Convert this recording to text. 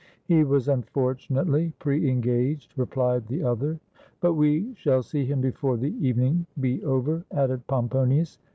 "He was unfortunately preengaged," replied the other. "But we shall see him before the evening be over," added Pomponius.